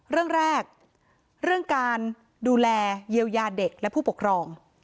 เรื่องแรกเรื่องการดูแลเยียวยาเด็กและผู้ปกครอง